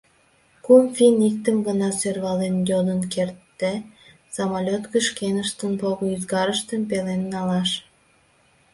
Кум финн иктым гына сӧрвален йодын керте: самолёт гыч шкеныштын пого-ӱзгарыштым пелен налаш.